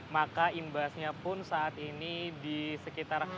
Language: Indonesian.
maka imbasnya pun saat ini di sekitar